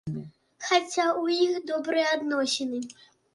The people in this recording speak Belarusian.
Хаця ў іх добрыя адносіны.